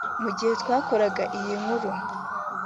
Mu gihe twakoraga iyi nkuru